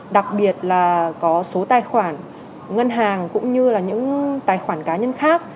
đặc biệt là có số tài khoản ngân hàng cũng như là những tài khoản cá nhân khác